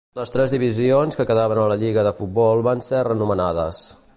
Les tres divisions que quedaven a la Lliga de Futbol van ser renomenades.